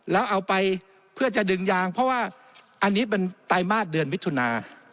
แล้วเอาไปเพื่อจะดึงยางเพราะว่าอันนี้เป็นไตรมาสเดือนมิถุนา